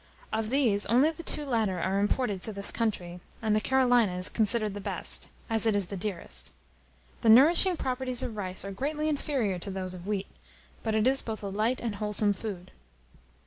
Of these, only the two latter are imported to this country, and the Carolina is considered the best, as it is the dearest. The nourishing properties of rice are greatly inferior to those of wheat; but it is both a light and a wholesome food.